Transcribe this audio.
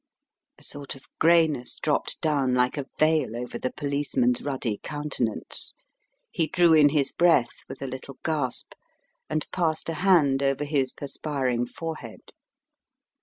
A sort of grayness dropped down like a veil over the policeman's ruddy countenance, he drew in his breath with a little gasp, and passed a hand over his perspiring forehead.